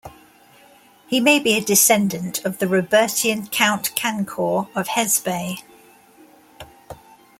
He may be a descendant of the Robertian count Cancor of Hesbaye.